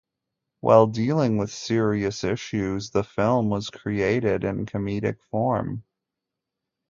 While dealing with serious issues, the film was created in comedic form.